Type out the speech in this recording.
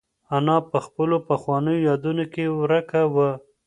انا په خپلو پخوانیو یادونو کې ورکه وه.